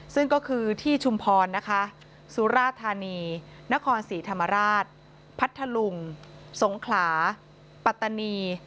ซึ่งก็คือที่ชุมพรนะคะสุราธานีนครศรีธรรมราชพัทธลุงสงขลาปัตตานี